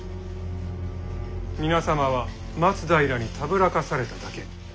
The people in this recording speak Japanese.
皆様は松平にたぶらかされただけ。